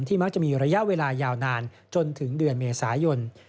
มักจะมีระยะเวลายาวนานจนถึงเดือนเมษายน